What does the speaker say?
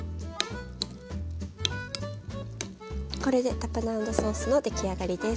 これでタプナードソースのできあがりです。